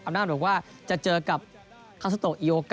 อำนาจบอกว่าจะเจอกับคาซาโต๊ะอิโยกะ